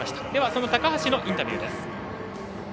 その高橋のインタビューです。